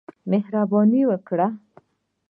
مهرباني وکړه !